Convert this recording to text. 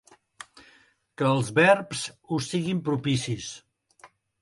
Que els verbs us siguin propicis.